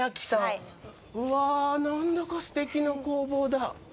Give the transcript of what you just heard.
うわ、何だかすてきな工房だ。